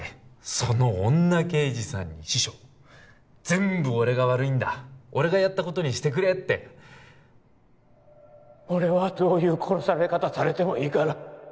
その女刑事さんに師匠「全部俺が悪いんだ俺がやったことにしてくれ」って俺はどういう殺され方されてもいいから